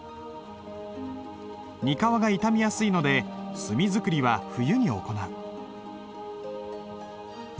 膠が傷みやすいので墨作りは冬に行う。